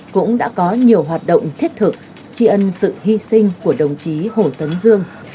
cũng đã có nhiều hoạt động thiết thực tri ân sự hy sinh của đồng chí hồ tấn dương